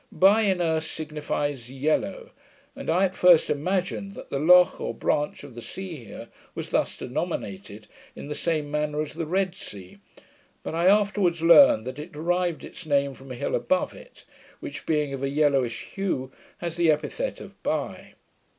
Buy, in Erse, signifies yellow, and I at first imagined that the loch or branch of the sea here, was thus denominated, in the same manner as the Red Sea; but I afterwards learned that it derived its name from a hill above it, which being of a yellowish hue, has the epithet of Buy.